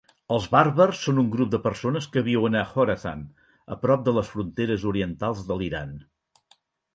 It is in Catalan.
Els bàrbars són un grup de persones que viuen a Khorasan, a prop de les fronteres orientals de l'Iran.